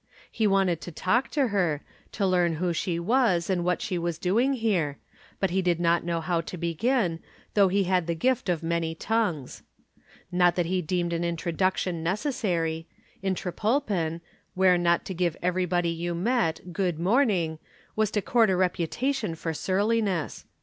He wanted to talk to her, to learn who she was and what she was doing here, but he did not know how to begin, though he had the gift of many tongues. Not that he deemed an introduction necessary in Trepolpen, where not to give everybody you met "good morning" was to court a reputation for surliness.